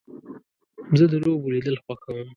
زه د لوبو لیدل خوښوم.